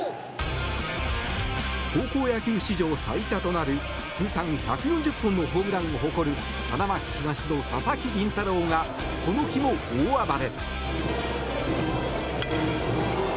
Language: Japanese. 高校野球史上最多となる通算１４０本のホームランを誇る花巻東の佐々木麟太郎がこの日も大暴れ！